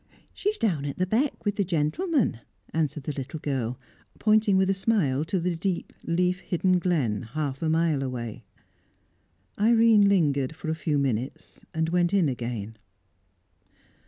"She's down at the beck, with the gentleman," answered the little girl, pointing with a smile to the deep, leaf hidden glen half a mile away. Irene lingered for a few minutes and went in again.